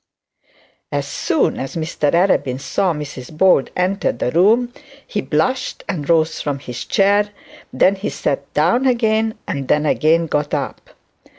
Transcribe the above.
As soon as Mr Arabin saw Mrs Bold enter the room, he blushed and rose from his chair; then he sat down again, and then again got up.